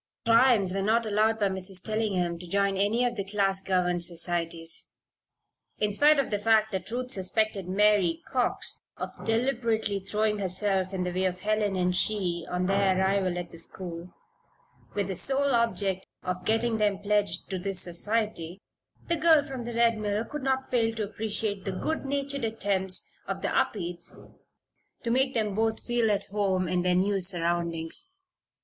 "Primes" were not allowed by Mrs. Tellingham to join any of the class governed societies. In spite of the fact that Ruth suspected Mary Cox of deliberately throwing herself in the way of Helen and she on their arrival at the school, with the sole object of getting them pledged to this society, the girl from the Red Mill could not fail to appreciate the good natured attempts of the Upedes to make them both feel at home in their new surroundings.